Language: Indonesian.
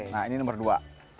nah ini nomor dua